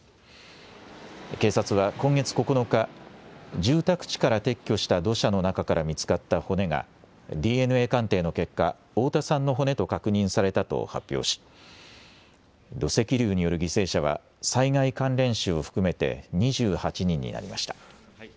警察は今月９日、住宅地から撤去した土砂の中から見つかった骨がＤＮＡ鑑定の結果、太田さんの骨と確認されたと発表し土石流による犠牲者は災害関連死を含めて２８人になりました。